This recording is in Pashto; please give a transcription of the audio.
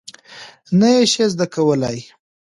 نه یې شې زده کولی؟